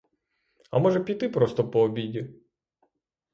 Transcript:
А може піти просто по обіді?